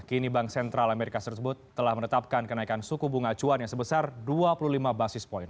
kini bank sentral amerika tersebut telah menetapkan kenaikan suku bunga acuan yang sebesar dua puluh lima basis point